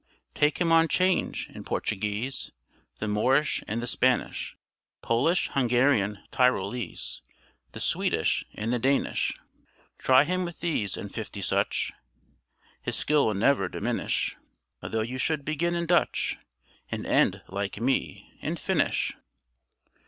Take him on Change in Portuguese, The Moorish and the Spanish, Polish, Hungarian, Tyrolese, The Swedish and the Danish: Try him with these, and fifty such, His skill will ne'er diminish; Although you should begin in Dutch, And end (like me) in Finnish."